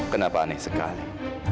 kenapa aneh sekali